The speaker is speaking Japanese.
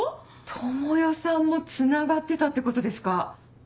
智代さんもつながってたってことですか？